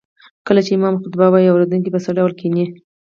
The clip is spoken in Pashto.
کله چې امام خطبه وايي اوريدونکي به څه ډول کيني